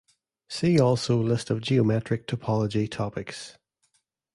See also list of geometric topology topics.